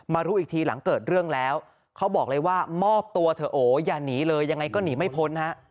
รู้อีกทีหลังเกิดเรื่องแล้วเขาบอกเลยว่ามอบตัวเถอะโอ้อย่าหนีเลยยังไงก็หนีไม่พ้นฮะ